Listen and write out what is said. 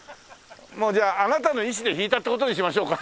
もうじゃああなたの意思で弾いたって事にしましょうか。